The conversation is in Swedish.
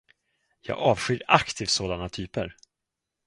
Jag avskyr aktivt sådana typer.